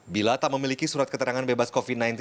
bila tak memiliki surat keterangan bebas covid sembilan belas